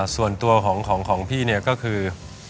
ส่วนตัวของพี่ก็คือ